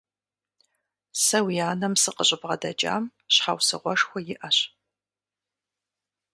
Сэ уи анэм сыкъыщӀыбгъэдэкӀам щхьэусыгъуэшхуэ иӀэщ.